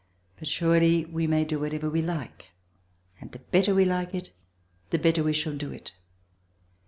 But surely we may do whatever we like, and the better we like it the better we shall do it.